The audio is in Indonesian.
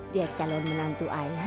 dia calon menantu i